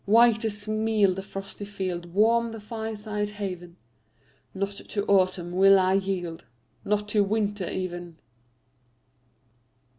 White as meal the frosty field Warm the fireside haven Not to autumn will I yield, Not to winter even!